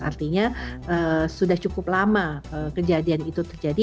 artinya sudah cukup lama kejadian itu terjadi